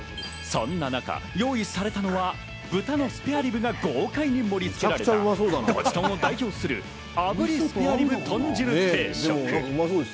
そんな中、用意されたのは豚のスペアリブが豪快に盛り付けられた店を代表する炙りスペアリブ豚汁定食。